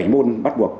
bảy môn bắt buộc